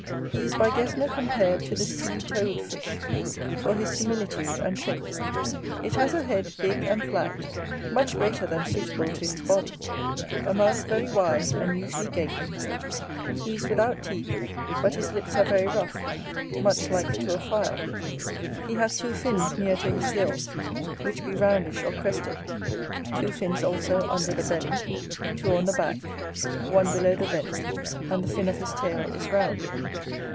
He is by Gesner compared to the Sea toad fish, for his similitude and shape. It has a head big and flat, much greater than suitable to his body; a mouth very wide, and usually gaping; he is without teeth, but his lips are very rough, much like to a file. He hath two fins near to his gills, which be roundish or crested; two fins also under the belly; two on the back; one below the vent; and the fin of his tail is round.